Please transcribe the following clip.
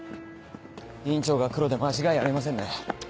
院長がクロで間違いありませんね。